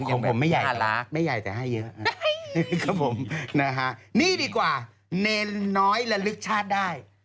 ยังเป็นหน้ารักนะครับนี่ดีกว่าเน้นน้อยและลึกชาติได้